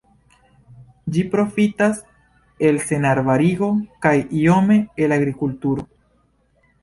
Ĝi profitas el senarbarigo kaj iome el agrikulturo.